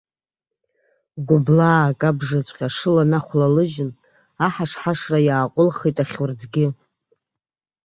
Гәыблаак абжаҵәҟьа ашыла нахәлалыжьын, аҳашҳашра иааҟәылхит ахьурӡгьы.